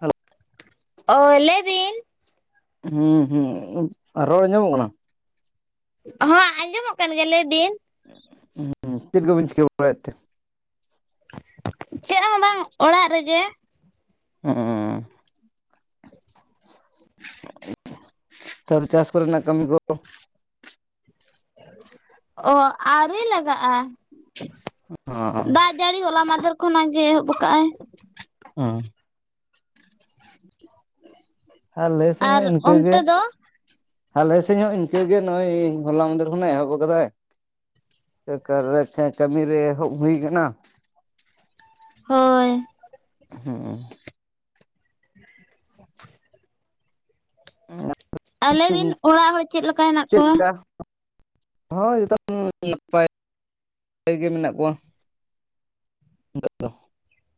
Hello ᱚ‌ᱞᱟᱹᱭ ᱵᱤᱱ ᱦᱩ ᱦᱩᱸ ᱨᱚᱲ ᱟᱧᱡᱚᱢᱚᱜ ᱠᱟᱱᱟ ᱦᱚᱸ ᱟᱸᱡᱚᱢᱚᱜ ᱠᱟᱱ ᱜᱮᱭᱟ ᱞᱟᱹᱭ ᱵᱤᱱ ᱦᱩ ᱪᱮᱫ ᱜᱳᱵᱤᱱ ᱪᱤᱠᱟᱹ ᱵᱟᱲᱟᱭ ᱮᱛ ᱛᱮ ᱪᱮᱫ ᱦᱚᱸ ᱵᱟᱝ ᱚᱲᱟᱜ ᱨᱮ ᱜᱮ ᱳᱳ ᱛᱳ ᱪᱟᱥ ᱠᱚᱨᱮᱱᱟᱜ ᱠᱟᱹᱢᱤ ᱠᱚ ᱚ ᱟᱣᱨᱤ ᱞᱟᱜᱟᱜᱼᱟ ᱫᱟᱜ ᱡᱟᱹᱲᱤ ᱦᱚᱞᱟ ᱢᱟᱫᱷᱮᱨ ᱠᱷᱚᱱᱟᱜ ᱜᱮ ᱮᱦᱚᱵ ᱠᱟᱜᱼᱟᱭ ᱦᱮᱸ ᱟᱨ ᱞᱮ ᱥᱮᱫ ᱦᱚ ᱟᱨ ᱤᱱᱠᱟᱹ ᱜᱮ ᱚᱱᱛᱮ ᱫᱚ ᱟᱞᱮ ᱥᱮᱡ ᱦᱚᱸ ᱤᱱᱠᱟᱹᱜᱮ ᱱᱚᱜᱼᱚᱭ ᱦᱚᱞᱟ ᱢᱚᱱᱫᱤᱨ ᱠᱷᱚᱱᱮ ᱮᱦᱚᱵ ᱟᱠᱟᱫᱟᱭ ᱠᱟᱹᱢᱤ ᱨᱮ ᱮᱦᱚᱵ ᱦᱩᱭ ᱠᱟᱱᱟ ᱦᱳᱭ ᱦᱮᱸ ᱟᱞᱮᱵᱤᱱ ᱚᱲᱟᱜ ᱦᱚᱲ ᱪᱮᱫ ᱞᱮᱠᱟ ᱦᱮᱱᱟᱜ ᱠᱚᱣᱟ ᱦ ᱡᱚᱛᱚ ᱱᱟᱯᱟᱭ ᱛᱮᱜᱮ ᱢᱮᱱᱟᱜ ᱠᱚᱣᱟ ᱱᱤᱛᱚᱜ ᱫᱚ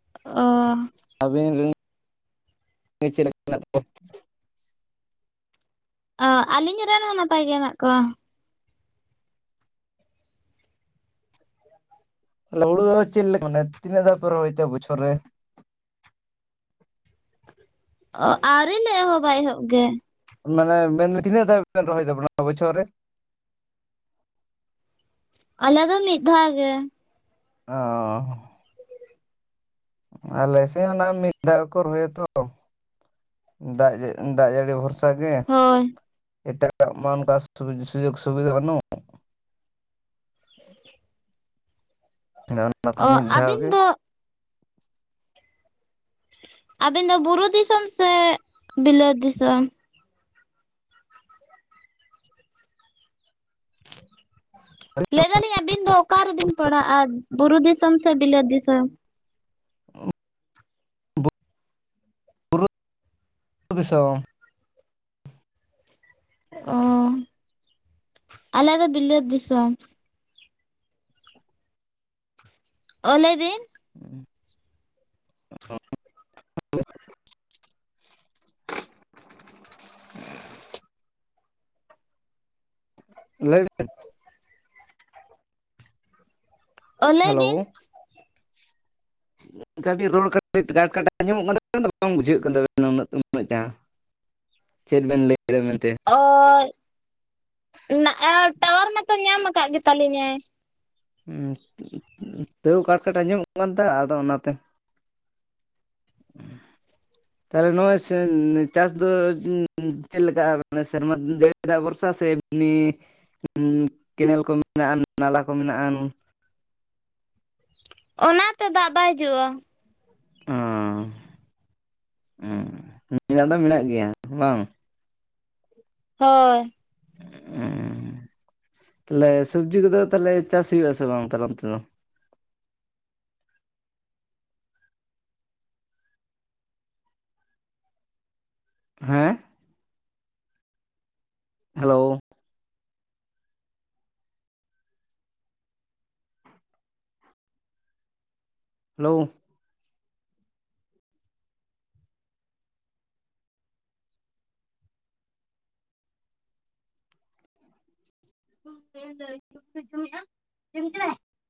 ᱚ ᱵᱮ ᱨᱤᱱ, ᱪᱮᱫ ᱞᱮᱠᱟ ᱢᱮᱱᱟᱜ ᱚ ᱟᱹᱞᱤᱧ ᱨᱮᱱ ᱦᱚᱸ ᱱᱟᱯᱟᱭ ᱜᱮ ᱦᱮᱱᱟᱜ ᱠᱚᱣᱟ ᱦᱩᱲᱩ ᱫᱚ ᱪᱮᱫ ᱞᱮᱠᱟ ᱢᱟᱱᱮ ᱛᱤᱱᱟᱹᱜ ᱫᱷᱟᱣ ᱯᱮ ᱨᱚᱦᱚᱭ ᱛᱮ ᱵᱚᱪᱷᱚᱨ ᱨᱮ ᱚ ᱟᱹᱣᱨᱤ ᱞᱮ ᱮᱦᱚᱵᱼᱟ ᱮᱦᱚᱵ ᱜᱮ ᱢᱟᱱᱮ ᱢᱮᱱ ᱛᱤᱱᱟᱹᱜ ᱫᱷᱟ ᱵᱮᱱ ᱨᱚᱦᱚᱭ ᱫᱟᱵᱚᱱᱟ ᱱᱚᱣᱟ ᱵᱚᱪᱷᱚᱨ ᱨᱮ ᱟᱞᱮ ᱫᱚ ᱢᱤᱫ ᱫᱷᱟᱣ ᱜᱮ ᱚᱸ ᱟᱞᱮᱥᱮ ᱦᱚᱸ ᱚᱱᱟ ᱢᱤᱫ ᱫᱷᱟᱣ ᱠᱚ ᱨᱚᱦᱚᱭ ᱛᱚ ᱫᱟᱜ ᱫᱟᱜ ᱡᱟᱹᱲᱤ ᱵᱷᱚᱨᱥᱟ ᱚᱱᱠᱟ ᱜᱮ ᱦᱳᱭ ᱮᱴᱟᱜᱟ ᱢᱟ ᱚᱱᱠᱟ ᱥᱩᱡᱚᱜ ᱥᱩᱵᱤᱫᱷᱟ ᱵᱟᱹᱱᱩᱜ ᱚᱱᱟ ᱛᱮ ᱚ ᱢᱤᱫ ᱫᱷᱟᱣ ᱟᱹᱵᱤᱱ ᱜᱮ ᱫᱚ ᱟᱵᱤᱱ ᱫᱚ ᱵᱩᱨᱩ ᱫᱤᱥᱚᱢ ᱥᱮ ᱵᱤᱞᱟᱹᱛ ᱫᱤᱥᱚᱢ ᱞᱟᱹᱭ ᱫᱟᱞᱤᱧ ᱟᱹᱵᱤᱱ ᱫᱚ ᱚᱠᱟᱨ ᱨᱮᱵᱤᱱ ᱯᱟᱲᱦᱟᱜᱼᱟ ᱵᱩᱨᱩ ᱫᱤᱥᱚᱢ ᱥᱮ ᱵᱤᱞᱟᱹ ᱫᱤᱥᱚᱢ᱾ ᱯᱩᱨᱩ ᱫᱤᱥᱚᱢ᱾ ᱚ ᱟᱞᱮ ᱫᱚ ᱵᱤᱞᱟᱹᱛ ᱫᱤᱥᱚᱢ ᱚ ᱞᱟᱹᱭ ᱵᱤᱱ [unintelligible] ᱞᱟᱹᱭ ᱵᱮᱱ ᱚ ᱞᱟᱹᱭ ᱵᱤᱱ ᱦᱮᱞᱳ [unintelligible] ᱟᱸᱡᱢᱚᱜ ᱠᱟᱱ ᱛᱟᱵᱮᱱᱟ ᱵᱟᱝ ᱵᱩᱡᱷᱟᱹᱜ ᱠᱟᱱ ᱛᱟᱱᱟᱱᱟᱹ ᱩᱱᱟᱹᱴᱟ ᱪᱮᱫ ᱵᱮᱱ ᱞᱟᱹᱭ ᱮᱫᱟ ᱢᱮᱱᱛᱮ ᱚ ᱱᱟᱜ-ᱟ ᱴᱟᱣᱟᱨ ᱢᱟᱛᱚ ᱧᱟᱢ ᱟᱠᱟᱫ ᱜᱮᱛᱟᱞᱤᱧᱟᱭ ᱛᱟᱹᱣ ᱠᱟᱴᱠᱟᱴ ᱟᱸᱡᱚᱢᱚᱜ ᱠᱟᱱᱛᱮ ᱟᱫᱚ ᱚᱱᱟᱛᱮ [inaudible] ᱛᱟᱦᱚᱞᱮ ᱱᱼᱚᱭ ᱪᱟᱥ ᱫᱚ ᱪᱮᱫ ᱞᱮᱠᱟ ᱢᱟᱱᱮ ᱥᱮᱨᱢᱟ ᱡᱟᱹᱲᱤ ᱫᱟᱜ ᱵᱷᱚᱨᱥᱟ ᱥᱮ ᱮᱢᱱᱤ ᱠᱮᱱᱮᱞ ᱠᱚ ᱢᱮᱱᱟᱜᱼᱟ᱾ ᱱᱟᱞᱟ ᱠᱚ ᱢᱮᱱᱟᱜᱼᱟ [unintelligible] ᱚᱱᱟ ᱛᱮ ᱫᱟᱜ ᱵᱟᱭ ᱦᱤᱡᱩᱜ-ᱟ ᱚ ᱚ ᱢᱮᱱᱟᱜ ᱫᱚ ᱢᱮᱱᱟᱜ ᱜᱮᱭᱟ ᱵᱟᱝ ᱦᱳᱭ ᱛᱟᱦᱚᱞᱮ ᱥᱚᱵᱽᱡᱤ ᱠᱚᱫᱚ ᱛᱟᱦᱚᱞᱮ ᱪᱟᱥ ᱦᱩᱭᱩᱜ ᱟᱥᱮ ᱵᱟᱝ ᱚᱱᱛᱮ ᱫᱚ ᱦᱮᱸ ᱦᱮᱞᱳ ᱦᱮᱞᱳ [unintelligible]